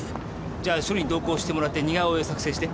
じゃあ署に同行してもらって似顔絵を作成して。